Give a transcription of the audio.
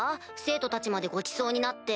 生徒たちまでごちそうになって。